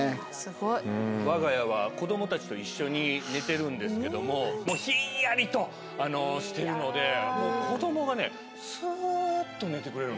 わが家は子供たちと一緒に寝てるんですけどもひんやりとしてるので子供がねスーッと寝てくれるんですよ。